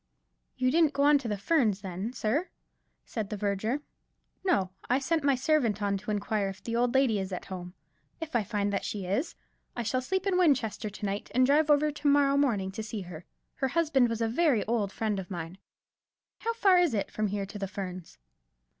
"You didn't go on to the Ferns, then, sir?" said the verger. "No, I sent my servant on to inquire if the old lady is at home. If I find that she is, I shall sleep in Winchester to night, and drive over to morrow morning to see her. Her husband was a very old friend of mine. How far is it from here to the Ferns?"